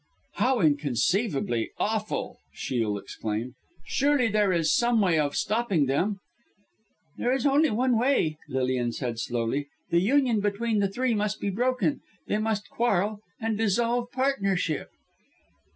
"How inconceivably awful!" Shiel exclaimed. "Surely there is some way of stopping them." "There is only one way," Lilian said slowly, "the union between the three must be broken they must quarrel, and dissolve partnership."